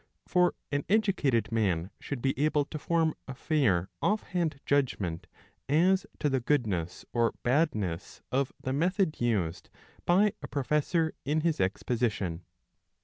For an educated man should be able to form a fair offhand judgment as to the goodness or badness of the method used by a professor in his exposition.